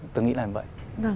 tôi nghĩ là như vậy